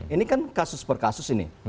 ini kan kasus per kasus ini